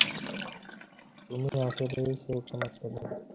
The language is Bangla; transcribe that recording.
নাগাসাকি বন্দরে প্রথমেই কিছুক্ষণের জন্য আমাদের জাহাজ লাগল।